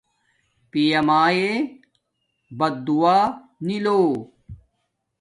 پیامانے بددعا نی لو